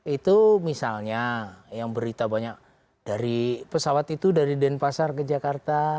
itu misalnya yang berita banyak dari pesawat itu dari denpasar ke jakarta